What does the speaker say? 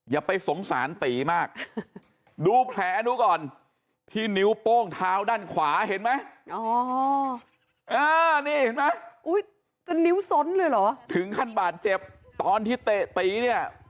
อย่าไปสงสารตีมากดูแผลดูก่อนที่นิ้วโป้งเท้าด้านขวาเห็นไหมอ๋อนี่เห็นไหมจนนิ้วส้นเลยเหรอถึงขั้นบาดเจ็บตอนที่เตะตีเนี่ย